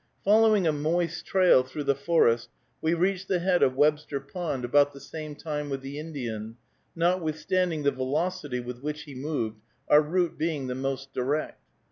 Following a moist trail through the forest, we reached the head of Webster Pond about the same time with the Indian, notwithstanding the velocity with which he moved, our route being the most direct.